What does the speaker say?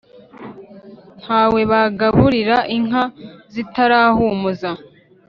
Ntawe bagaburira inka zitarahumuza